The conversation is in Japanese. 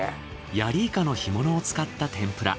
ヤリイカの干物を使った天ぷら。